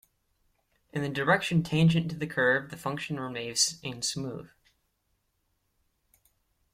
In the direction tangent to the curve, the function remains smooth.